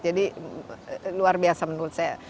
luar biasa menurut saya